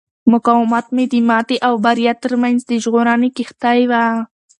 مقاومت مې د ماتې او بریا ترمنځ د ژغورنې کښتۍ وه.